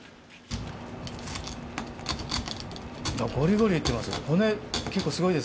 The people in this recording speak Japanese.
ゴリゴリいってます。